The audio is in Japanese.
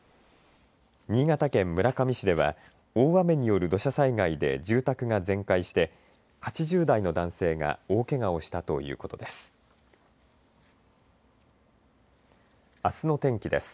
新潟県村上市では大雨による土砂災害で住宅が全壊して８０代の男性が大けがをしたということです。